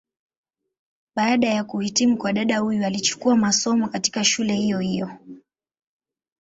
Baada ya kuhitimu kwa dada huyu alichukua masomo, katika shule hiyo hiyo.